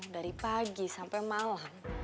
dari pagi sampai malam